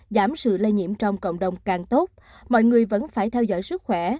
giảm sự lây nhiễm trong cộng đồng càng tốt mọi người vẫn phải theo dõi sức khỏe